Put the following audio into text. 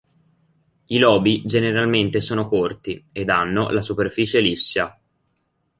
I lobi generalmente sono corti, ed hanno la superficie liscia.